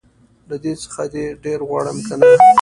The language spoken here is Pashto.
له دې څخه دي ډير غواړم که نه